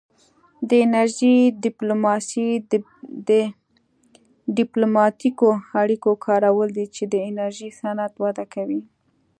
د انرژۍ ډیپلوماسي د ډیپلوماتیکو اړیکو کارول دي چې د انرژي صنعت وده کوي